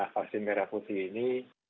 vaksin merah putih ini